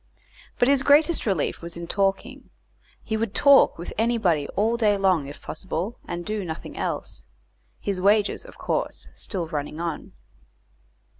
But his greatest relief was in talking; he would talk with anybody all day long if possible, and do nothing else; his wages, of course, still running on.